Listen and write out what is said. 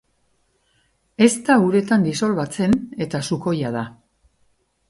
Ez da uretan disolbatzen, eta sukoia da.